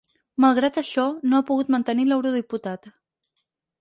Malgrat això, no ha pogut mantenir l’eurodiputat.